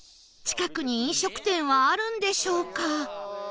近くに飲食店はあるんでしょうか？